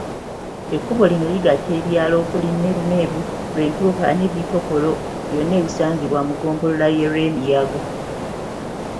Ekkubo lino ligatta ebyalo okuli Meerumeeru, Lyentuha ne Kitokolo byonna ebisangibwa mu ggombolola y'e Lwemiyaga.